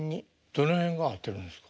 どの辺が合ってるんですか？